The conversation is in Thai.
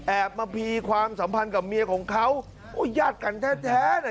มาพีความสัมพันธ์กับเมียของเขาโอ้ยญาติกันแท้แท้น่ะ